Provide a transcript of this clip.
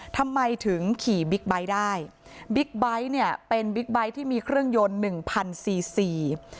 ทำไมถึงขี่บิ๊กไบท์ได้บิ๊กไบท์เนี่ยเป็นบิ๊กไบท์ที่มีเครื่องยนต์หนึ่งพันสี่สี่